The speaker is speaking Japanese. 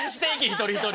一人一人。